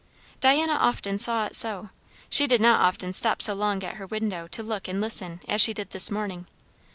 Diana often saw it so; she did not often stop so long at her window to look and listen as she did this morning.